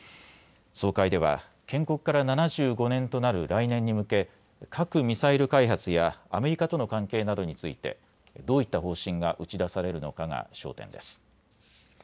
総会では建国から７５年となる来年に向け、核・ミサイル開発やアメリカとの関係などについてどういった方針が打ち出されるのかが焦点です。